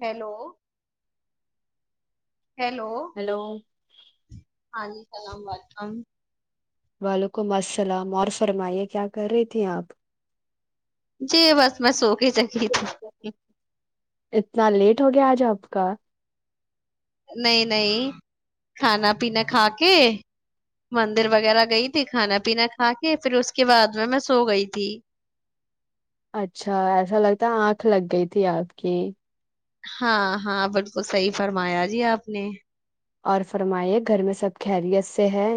hello [unintelligible] hello hello ہاں جی [unintelligible] السلام و علیکم [unintelligible] وعلیکم السلام اور فرمائیے کیا کر رہی تھیں آپ جی بس میں سو کے ہی چکی تھی اتنا لیٹ ہو گیا آج آپ کا [unintelligible] نہیں نہیں کھانا پینا کھا کے مندر وغیرہ گئی تھی کھانا پینا کھا کے پھر اس کے بعد میں میں سو گئی تھی اچھا ایسا لگتا آنکھ لگ گئی تھی آپ کی ہاں ہاں بالکل صحیح فرمایا جی آپ نے اور فرمائیے گھر میں سب خیریت سے ہے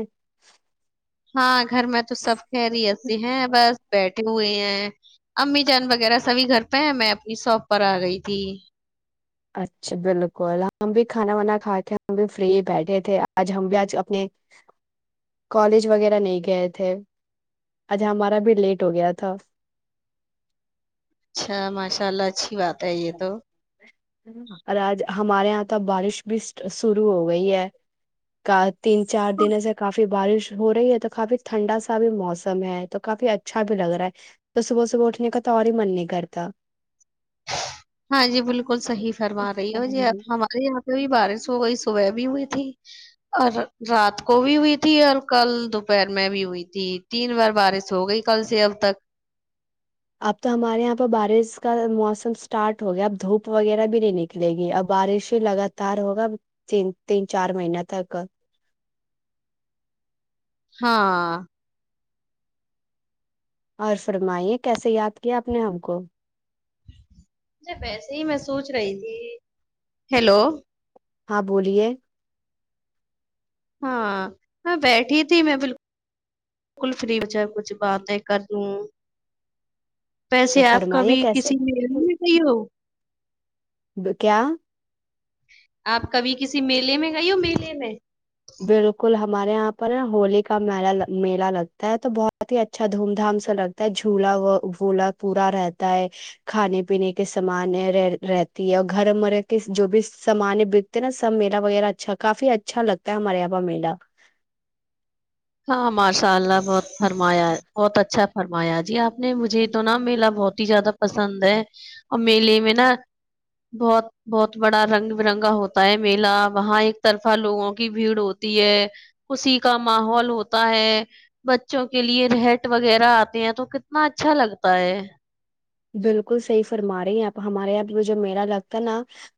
ہاں گھر میں تو سب کہہ رہی ایسی ہیں بس بیٹ ہوئے ہیں امی جان وغیرہ سبھی گھر پہ ہیں میں اپنی شاپ پر آ گئی تھی [unintelligible] اچھا بالکل ہم بھی کھانا وانا کھا کے ہم بھی فری بیٹھے تھے آج ہم بھی آج اپنے کالج وغیرہ نہیں گئے تھے آج ہمارا بھی لیٹ ہو گیا تھا اچھا ماشاء اللہ اچھی بات ہے [unintelligible] بتائی یہ تو [unintelligible] اور آج ہمارے یہاں تو بارش بھی شرو ہو گئی ہے کا تین چار دن ای سےے کافی [unintelligible] بارش ہو رہی ہے تو کافی ٹھنڈا سا بھی موسم ہے تو کافی اچھا بھی لگ رہا ہے تو صبح صبح اٹھنے کا تو اور ہی من نہیں کرتا [unintelligible] ہاں جی بول [unintelligible] بالکل صح فرما رہی ہے ہمارے یہاں پہ بھی بارش [unintelligible] ہو گئی صبح بھی ہوئی تھی اور رات کو بھی ہوئی تھی اور کل دوپہر میں بھی ہوئی تھی تین بار بارش ہو گئی کل سے اب تک [unintelligible] اب تو ہمارے یہاں پہ بارش کا موسم اسٹارٹ ہو گیا اب دھوپ وغیرہ بھی نہیں نکلے گی اب بارش لگاتار ہوگا تین تین چار مہین تک ہاں [unintelligible] اور فرمائیے کیسے یاد کیا آپ نے ہم کو مجھے ویسے ہی میں سوچ رہی تھی ہیلو [unintelligible] ہاں بولیے ہاں میں بیٹھی تھی میں بکل بالکل فری بچ کچھ باتیں کر لوں تو پیسے آپ کا فرمائیے بھی کیسے کسی میں کہی ہو کیا آپ کبھی کسی میلے میں گ ہو میلے میں بالکل ہمارے یہاں پر نا ہولی کا م میلا لگتا ہے تو بہت ہی اچھا دھوم دھام سے لگتا ہے جھولا وھولا پورا رہتا ہے کھانے پینے کے سامان رہ رہتی ہے اور گھر مرے کے جو بھی سامان بکتے ہیں نا سب میلا وغیرہ اچھا کافی اچھا لگتا کیا مرے پا میلہ ہاں ماشاء اللہ بہت فرمایا ہے بہت اچھا فرمایا جی آپ نہیں مجھے یہ تو نا میلا بہت زیادہ پسند ہے اور میلے میں نا بہت بہت بڑا رنگ برنگا ہوتا ہے میلا وہاں ایک طرفہ لوگوں کی بھیڑ ہوتی ہے خوشی کا ماحول ہوتا ہے بچوں کے لیے رٹ وغیرہ آتے ہیں تو کتنا اچھا لگتا ہے بالکل صحیح فرما رہے ہیں یہ پ ہمارے یہاں پ جو میلہ لگتا ہے نا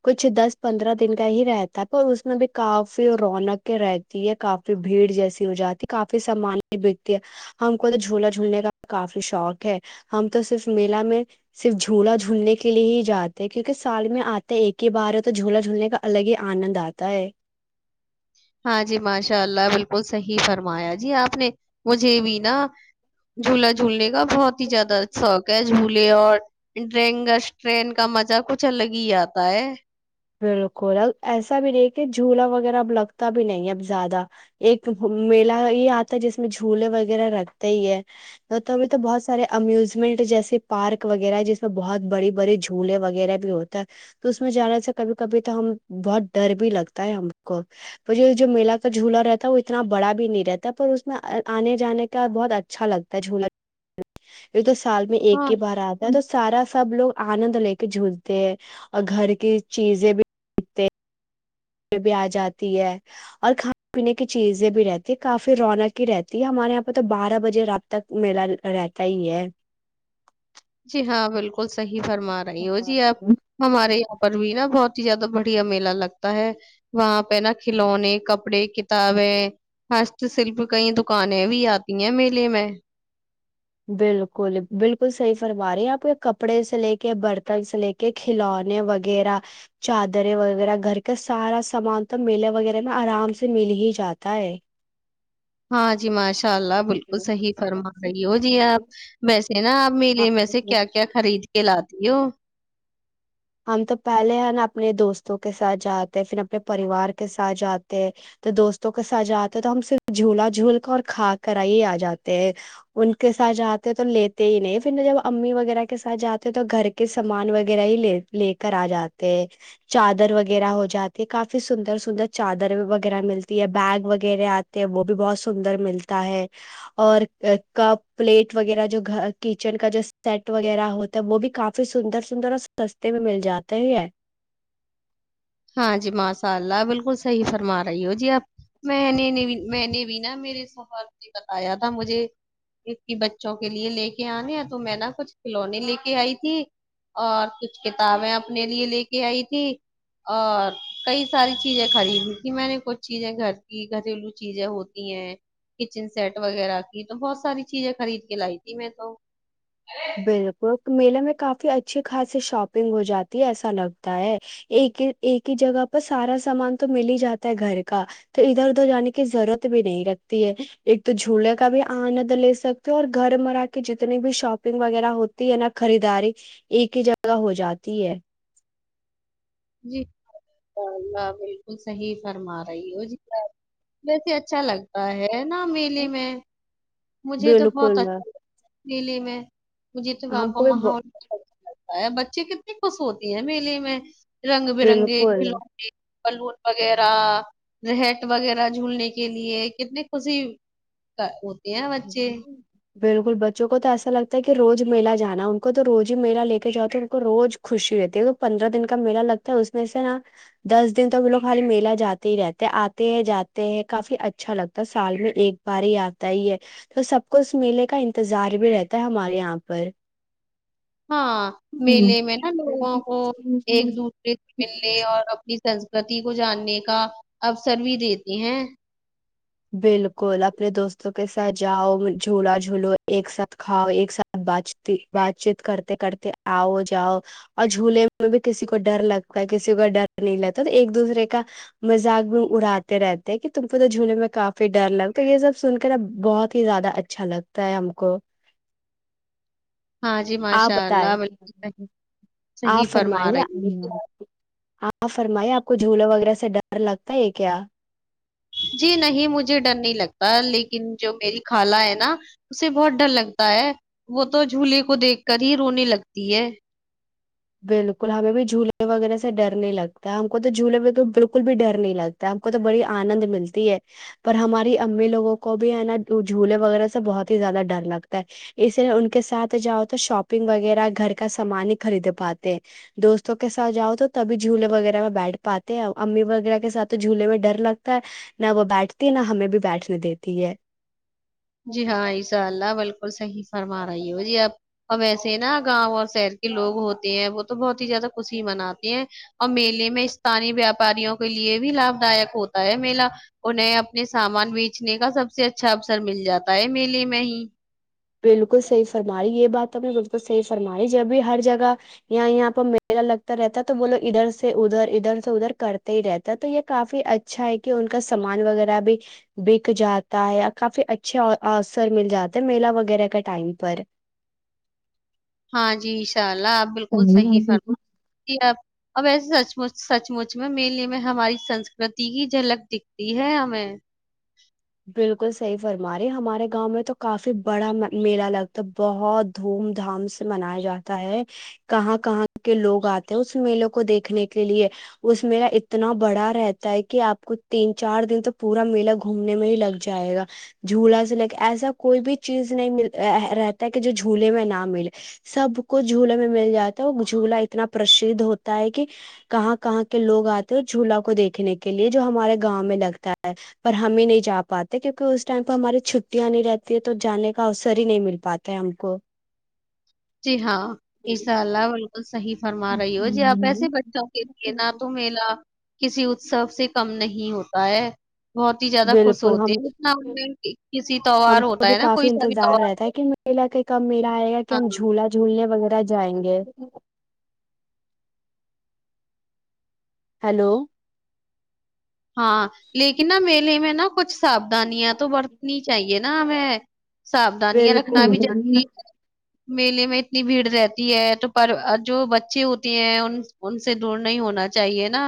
کچھ دس پندرہ دن کا ہی رہتا ہے پر اس میں بھی کافی رونقیں رہتی ہے کافی بھیڑ جیسی ہو جاتی کافی سامان بکتی ہے ہم کو تو جھولا جھولنے کا کافی شوق ہے ہم تو صرف میلہ میں صرف جھولا جھولنے کے لیے ہی جاتے ہیں کیونکہ سال میں آتے ایک ہی بار ہو تو جھولا جھولنے کا الگ ہی آنند آتا ہے ہاں جی ماشاء اللہ بالکل صحیح فرمایا جی آپ نے مجھے بھی نا جھولا جھولنے کا کا بہت ہی زیادہ شوق ہے جھولے اور ڈینگس ٹرین کا مزہ کچھ الگ ہی آتا ہے بالکل اب ایسا بھی نہیں کہ جھولا وغیرہ اب لگتا بھی نہیں ہے اب زیادہ ایک میلہ یہ آتا ہے جس میں جھولے وغیرہ رگتے ہی ہےبھی تو بہت سارے امیوزمنٹ جیسے پارک وغیرہ ہے جس میں بہت بڑی بڑی جھولے وغیرہ بھی ہوتا ہے تو اس میں جانا سے کبھی کبھی تو ہم بہت ڈر بھی لگتا ہے ہم کو پر یہ جو میلا کا جھولا رہتا ہے وہ اتنا بڑا بھی نہیں رہتا ہے پر اس میں آنے جانے کا بہت اچھا لگتا ہے جھلا یہ تو سال میں ایک ہاں، کے بار آتا ہے تو سارا سب لوگ آنند لے کے جھولتے ہیں اور گھر کے چیزیں بھی کتے بھی آ جاتی ہے اور کھانے پینے کی چیزیں بھی رہتی ہے کافی رونق ہی رہتی ہے ہمارے یہاں پہ تو بارہ بجے رات تک میلہ رہتا ہی ہے جی ہاں بالکل بالکل صحیح فرما رہی ہو جی آپ ہمارے پر بھی نا بہت ہی زیادہ بڑھیا میلہ لگتا ہے وہاں پہ نا کھلونے کپڑے کتابیں ہست شلپ کئی دکانیں بھی آتی ہیں میلے میں بالکل بالکل صحیح فرما رہی آپ کو کپڑے سے لے کے برتن سے لے کے کھلونے وغیرہ چادریں وغیرہ گھر کے سارا سامان تو میلے وغیرہ میں آرام سے مل ہی جاتا ہے ہاں جی ماشاء اللہ بالکل صحیح فرما رہی ہو جی آپ ویسے نا آپ میلیے میں سے ہاں کیا کیا خریدی کلاتی ہو ہم تو پہلے ہے نا اپنے دوستوں کے ساتھ جاتے پھر اپنے پریوار کے ساتھ جاتے تو دوستوں کے ساتھ جاتے تو ہم صرف جھولا جھول کر اور کھا کرا ہی آ جاتے ہیں ان کے ساتھ جاتے ہیں تو لیتے ہی نہیں پھر جب امی وغیرہ کے ساتھ جاتے ہیں تو گھر کے سامان وغیرہ ہی لیتے لے کر آ جاتے ہیں چادر وغیرہ ہو جاتی ہے کافی سندر سندر چادر وغیرہ ملتی ہے بیگ وغیرہ آتے ہیں وہ بھی بہت سندر ملتا ہے اور کپ پلیٹ وغیرہ جو گ کچن کا جو سیٹ وغیرہ ہوتا ہے وہ بھی کافی سندر سندر اور س میں مل جاتے ہے ہاں جی ماشاء اللہ بالکل صحیح فرما رہی ہو جی اپ میں نے میں نے بھی نا میرے سور سے بتایا تھا مجھے بچوں کے لیے لے کے آنے تو میں نا کچھ کھلونے لے کے آئی تھی اور کچھ کتابیں اپنے لیے لے کے آئی تھی اور کئی ساری چیزیں خریدی تھی میں نے کچھ چیزیں گھر کی گھریلو چیزیں ہوتی ہیں کچن سیٹ وغیرہ کی تو بہت ساری چیزیں خرید کے لائی تھی میں تو بالکل میلے میں کافی اچھی خاصی شاپنگ ہو جاتی ہے ایسا لگتا ہے ایک ہی ایک ہی جگہ پر سارا سامان تو مل ہی جاتا ہے گھر کا تو ادھر ادھر جانے کی ضرورت بھی نہیں رگتی ہے ایک تو جھولے کا بھی آنند لے سکتے ہو اور گھر مرا کے جتنے بھی شاپ شگ وغیرہ ہوتی ہے نہا خریداری ایک ہی جگہ ہو جاتی ہے جی اللہلہ بالکل صحیح فرما رہی ہو جی ویسے اچھا لگتا ہے ن میلے میں مجھے تو بہت بالکل اچھا لگ دلی میں مجھے تو ہم یہ کو بھی ب- ماحول لگتا ہے بچے کتنی خوش ہوتی ہیں میلے میں رنگ برنگے بالکل کھلونے بلون وغیرہ رٹ وغیرہ جولنے کے لیے کتنی خوشی کا ا وچے بالکل بچوں کو تو ایسا لگتا ہے کہ روز میلا جانا ان کو تو روز ہی میلا لے کے جاتے ان کو روز خوشی رہتی ہے پندرہ دن کا میلہ لگتا ہے اس میں سے نا دس دن تو بھی لوگ خالی میلہ جاتے ہی رہتے ہیں آتے ہے جاتے ہیں کافی اچھا لگتا ہے سال میں ایک بار ہی آتا ہی ہے تو سب کو اس میلے کا انتظار بھی رہتا ہے ہمارے یہاں پر ہاں میلے میں نا لوگوں کو ایک دوسرے سے پر ملنے اور اپنی س گتی کو جاننے کا اوسر بھی دیتے ہیں بالکل اپنے دوستوں کے ساتھ جاؤ جھولا جھولو ایک ساتھ کھاؤ ایک ساتھ بات چ بات چیت کرتے کرتے آؤ جاؤ اور جھولے میں بھی کسی کو ڈر لگتا ہے کسی کا ڈر نہیں لگتا تو ایک دوسرے کا مذاق بھی اڑاتے رہتے کہ تم کو تو جھولے میں کافی ڈر لگ تو یہ سب سن کے بہت ہی زیادہ اچھا لگتا ہے ہم کو ہاں جی آ ماشاء بتائے اللہ بالکل آ صحیح فرما فرمائے رہی ہو ہاں فرمائی آپ کو جھولا وغیرہ سے ڈر لگتا ہے کیا جی نہیں مجھے ڈر نہیں لگتا لیکن جو میری خالہ ہے نا اسے بہت ڈر لگتا ہے وہ تو جھوولے کو دیکھ کر ہی رونے لگتی ہے بالکل ہمیں بھی جھولے وغیرہ سے ڈر نہیں لگتا ہے ہم کو تو جھولے بالکل بھی ڈر نہیں لگتا ہم کو تو بڑی آنند ملتی ہے پر ہماری امی لوگوں کو بھی ہے نا جھولے وغیرہ سے بہت ہی زیادہ ڈر لگتا ہے اس لیے ان کے ساتھ جاؤ تو شاپنگ وغیرہ گھر کا سامان ہی خرید پاتے دوستوں کے ساتھ جاؤ تو تبھی جھولے وغیرہ میں بیٹھ پاتے ہیں امی وغیرہ کے ساتھ تو جھولے میں ڈر لگتا ہے نہ وہ بیٹھتی ہے نہ ہمیں بھی بیٹھنے دیتی ہے جی ہاں انشاء اللہ بالکل صحیح فرما رہی ہو جی اب اور ویسے نا گاؤں اور شہر کے لوگ ہوتے ہیں وہ تو بہت ہی زیادہ خوشی مناتے ہیں اور میلے میں استانی ویاپاریوں کے لیے بھی لابھ داک ہوتا ہے میلہ انہیں اپنے سامان بیچنے کا سب سے اچھا اسر مل جاتا ہے میلیے میں ہی بالکل صحیح فرمائی یہ بات تو نے بالکل صحی فرمائی جب بھی ہر جگہ یہ یہاں پر میلہ لگتا رہتا ہے تو وہ لوگ ادھر سے ادھر ادھر سے ادھر کرتے ہی رہتا ہے تو یہ کافی اچھا ہے کہ ان کا سامان وغیرہ بھی بک جاتا ہے کافی اچھے اوسر مل جاتا ہے میلا وغہ وغیرہ کا ٹائم پر ہاں جی ان شاء اللہ آپ بالکل ہے صحیح سر بالکل ج آپ اب ایسے سچچ سچمچ میں مین لیے ہم ہماری سنسکرتی کی جھلک دکھتی ہے ہمیں بالکل صحیح فرما رہے ہمارے گاؤں میں تو کافی بڑا میلہ لگتا بہت دھوم دھام سے منایا جاتا ہے کہاں کہاں کے لوگ آتے ہیں اس میلے کو دیکھنے کے لیے اس میلہ اتنا بڑا رہتا ہے کہ آپ کو تین چار دن تو پورا میلا گھوم نے میں ہی لگ جائے گا جھولا سے لگ ایسا کوئی بھی چیز نہیں رہتا ہے کہ جو جھولے میں نہ ملے سب کو جھولے میں مل جاتا ہے اور جھولا اتنا پرسھ ہوتا ہے کہ کہاں کہاں کے لوگ آتے ہیں جھولا کو دیکھنے کے لیے جو ہمارے گاؤں میں لگتا ہے ہم ہی نہیں جا پاتے کیونکہ اس ٹائم پہ ہماری چھٹیاں نہیں رہتی ہے تو جانے کا اوسر ہی نہیں مل پاتا ہم کو جی ہاں ای سا اللہ صحی فرما رہی ہو جی آپ ایسے بچوں کے لیے نہ تو میلا کسی اتسو سے کم نہیں ہوتا ہے بہت ہی زیادہ خوش بالکل ہوتے ہم ہیں اتنا میں کسی تیوار ہم کو ہوتا بھی ہے نا کوئی کافی سا بھی انتظار رہتا ہے تیوار کہ میلا کہ کب میلا آئے گا کہ ہم جھولا جھولنے وغیرہ جائیں گے ہیلو ہاں لیکن نہ میر پے میں نا کچھ سادھیاں تو برتنی چاہیے نا ہمیں ساابدھانیاں رکھنا بھی بالکل ضروری ہے میلے میں اتنی بھیڑ رہتی ہے تو پر جو بچے ہوتے ہیں ان ان سے دور نہیں ہونا چاہیے نا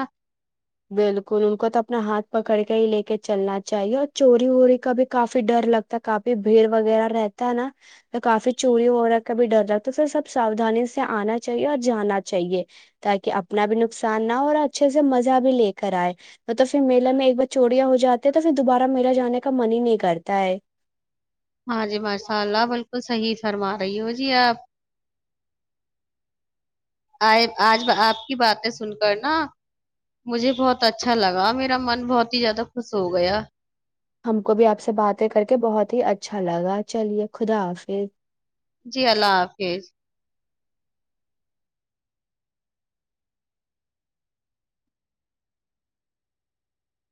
بالکل ان کو تو اپنا ہاتھ پکڑ کے ہی لے کے چلنا چاہیے اور چوری ووری کا بھی کافی ڈر لگتا ہے کافی بھیڑ وغیرہ رہتا ہے نا تو کافی چوری وغیرہ کا بھی ڈر لگتا ہے س سب سادانی سے آنا چاہیے اور جانا چاہیے تاکہ اپنا بھی نقصان نہ ہو اور اچھے سے مز بھی لے کر آئے تو پھر میے میں ایک بار چوریاں ہو جاتی ہیں تو پھر دوبارہ میلہ جانے کا من ہی نہیں کرتا ہے ہاں جی ماشاء اللہ بالکل صحیح فرما بی ہو جی آپ آج آپ کی باتیں سن کر نا مجھے بہت اچھا لگا میرا من بہت ہی زیادہ خوس ہو گیا ہم کو بھی آپ سے باتیں کر کے بہت ہی اچھا لگا چلیے خدا حافظ جی اللہ حافظ